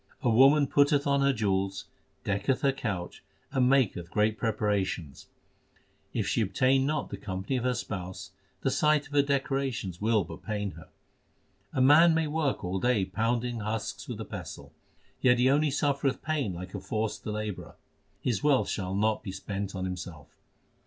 A woman putteth on her jewels, decketh her couch, and maketh great preparations : If she obtain not the company of her spouse, the sight of her decorations will but pain her. A man may work all day pounding husks with a pestle ; x Yet he only suffereth pain like a forced labourer ; his wealth shall not be spent on himself.